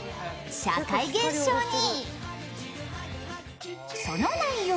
社会現象に。